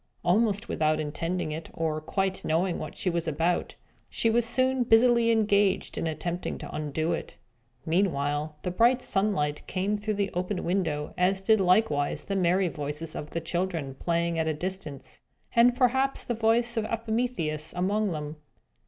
Almost without intending it, or quite knowing what she was about, she was soon busily engaged in attempting to undo it. Meanwhile, the bright sunshine came through the open window; as did likewise the merry voices of the children, playing at a distance, and perhaps the voice of Epimetheus among them.